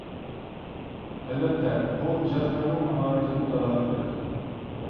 ئەلۋەتتە، بۇ ئىجادكارنىڭ ماھارىتىدىن دالالەت بېرىدۇ.